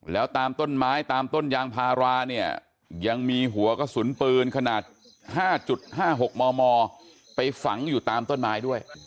แล้วตามต้นไม้ตามต้นยางพาราเนี่ยยังมีหัวกระสุนปืนขนาด๕๕๖มมไปฝังอยู่ตามต้นไม้ด้วย